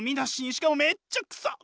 しかもめっちゃ臭っ！